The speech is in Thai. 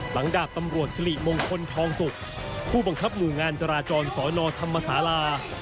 หลังดาบตำรวจศรีมงคลทองศุกร์ผู้บังคับมืองานจราจรสนธรรมศาลา